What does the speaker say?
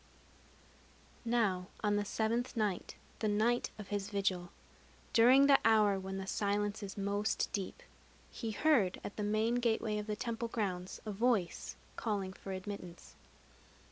Now on the seventh night, the night of his vigil, during the hour when the silence is most deep, he heard at the main gateway of the temple grounds a voice calling for admittance.